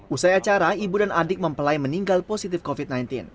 usai acara ibu dan adik mempelai meninggal positif covid sembilan belas